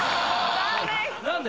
何で？